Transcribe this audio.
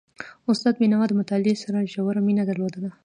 استاد بينوا د مطالعې سره ژوره مینه درلودله.